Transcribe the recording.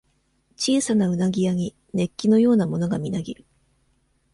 小さな鰻屋に、熱気のようなものがみなぎる。